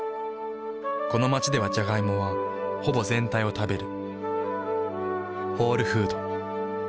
この街ではジャガイモはほぼ全体を食べる。